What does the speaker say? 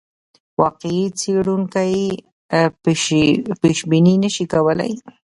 واقعي څېړونکی پیشبیني نه شي کولای.